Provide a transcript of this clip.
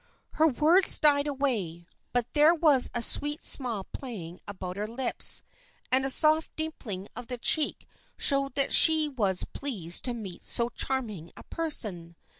Her words died away, but there was a sweet smile playing about her lips, and a soft dimpling of the cheek showed that she was pleased to meet so charming a person.